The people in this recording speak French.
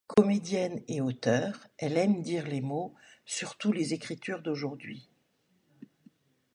Comédienne et auteure, elle aime dire les mots, surtout les écritures d’aujourd’hui.